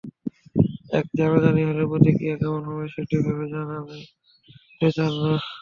এসব জানাজানি হলে প্রতিক্রিয়া কেমন হবে, সেটি ভেবে জানাতে চান না।